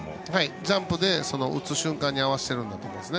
ジャンプで打つ瞬間に合わせてるんだと思います。